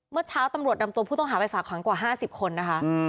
เมื่อเช้าตำรวจดำต้มผู้ต้องหาไว้ฝากขังกว่าห้าสิบคนนะคะอืม